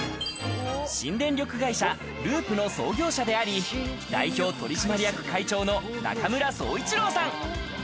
新電力会社Ｌｏｏｏｐの創業者であり、代表取締役会長の中村創一郎さん。